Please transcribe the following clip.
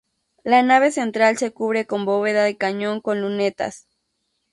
La nave central se cubre con bóveda de cañón con lunetas.